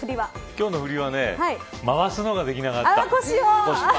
今日の振りは回すのができなかった。